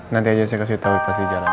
nanti aja saya kasih tau pas di jalan